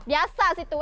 biasa sih itu eh